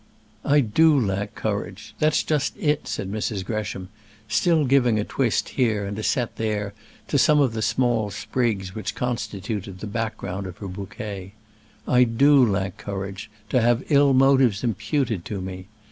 "I do lack courage. That's just it," said Mrs. Gresham, still giving a twist here and a set there to some of the small sprigs which constituted the background of her bouquet. "I do lack courage to have ill motives imputed to me.